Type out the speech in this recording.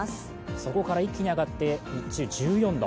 そこから一気に上がって日中１４度。